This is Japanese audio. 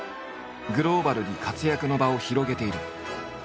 グローバルに活躍の場を広げている。